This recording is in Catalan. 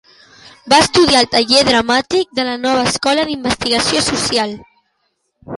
Va estudiar al Taller dramàtic de la Nova escola d'investigació social.